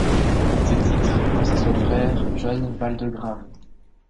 Ses titres passent à son frère, John Waldegrave.